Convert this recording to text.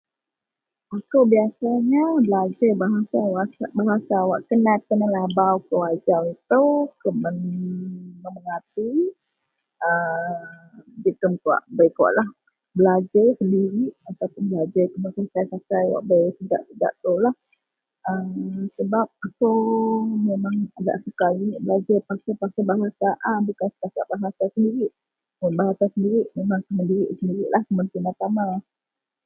"Akou biasanya belajer bahasa wak kena tenelabau kou ajau itou kuman merati a jegem kawak bei kawaklah belajar sendirik ataupuun belajar kuman sakai-sakai wak segakkoulah. A sebap itou memang ""agak sekali"" pasel -pasel bahasa a bukan setaket bahasa sendirik. Bahasa sendirik memang kuman Tina tama. "